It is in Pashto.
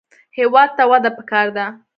هېواد ته وده پکار ده